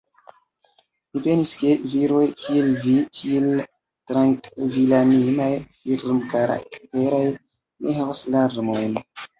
Mi penis, ke viroj, kiel vi, tiel trankvilanimaj, firmkarakteraj, ne havas larmojn.